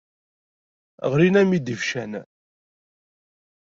Ɣlin-am-id ibeccan.